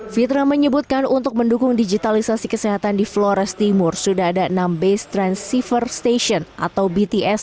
fitra menyebutkan untuk mendukung digitalisasi kesehatan di flores timur sudah ada enam base transceiver station atau bts